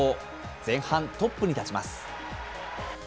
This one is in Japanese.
前半、トップに立ちます。